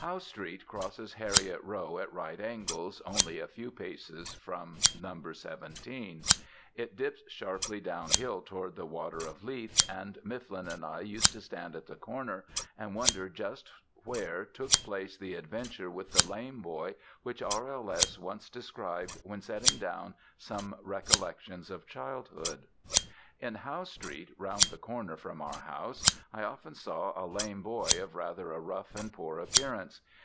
Howe Street crosses Heriot Row at right angles, only a few paces prom No. 17. It dips sharply downhill toward the Water of Leith, and Mifflin and I used to stand at the corner and wonder just where took place the adventure with the lame boy which R.L.S. once described when setting down some recollections of childhood. In Howe street, round the corner from our house, I often saw a lame boy of rather a rough and poor appearance.